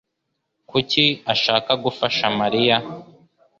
Kuki ashaka gufasha Mariya?